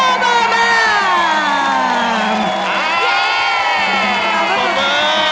โอมามา